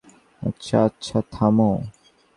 আচ্ছা, আচ্ছা, থামো।